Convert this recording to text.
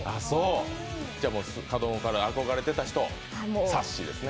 じゃあ、子供のころから憧れてた人さっしーですね。